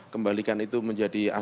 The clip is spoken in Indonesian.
kembalikan itu menjadi aset